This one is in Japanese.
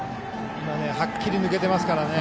今、はっきり抜けてますから。